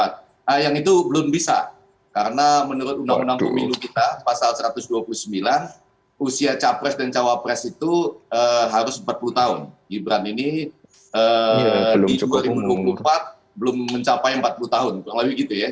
nah yang itu belum bisa karena menurut undang undang pemilu kita pasal satu ratus dua puluh sembilan usia capres dan cawapres itu harus empat puluh tahun gibran ini di dua ribu dua puluh empat belum mencapai empat puluh tahun kurang lebih gitu ya